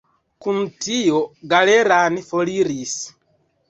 Kun tio Galeran foriris.